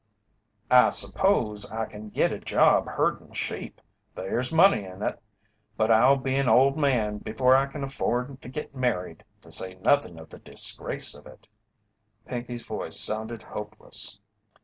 "I s'pose I can git a job herdin' sheep they's good money in it but I'll be an old man before I can afford to git married, to say nothin' of the disgrace of it." Pinkey's voice sounded hopeless.